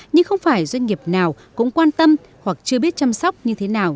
nhưng không phải doanh nghiệp nào cũng quan tâm hoặc chưa biết chăm sóc như thế nào